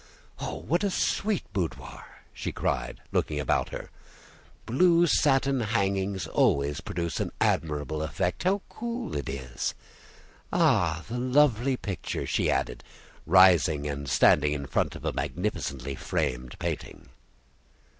"Oh! what a sweet boudoir!" she cried, looking about her. "Blue satin hangings always produce an admirable effect. How cool it is! Ah! the lovely picture!" she added, rising and standing in front of a magnificently framed painting.